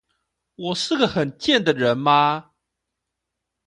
我是個很賤的人嗎